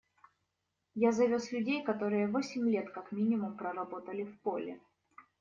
Я завез людей, которые восемь лет как минимум проработали в поле.